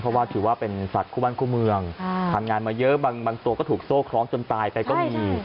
เพราะว่าถือว่าเป็นสัตว์คู่บ้านคู่เมืองทำงานมาเยอะบางตัวก็ถูกโซ่คล้องจนตายไปก็มี